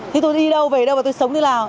thì tôi đi đâu về đâu mà tôi sống thế nào